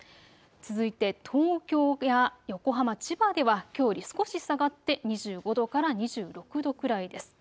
続いて東京や横浜、千葉ではきょうより少し下がって２５度から２６度くらいです。